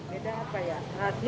beda apa ya